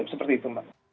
seperti itu mas